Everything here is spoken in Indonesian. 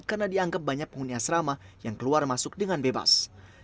karena dianggap banyak penghuni asrama yang keluar masuk dengan bebas